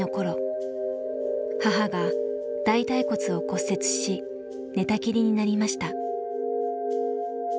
母が大腿骨を骨折し寝たきりになりました。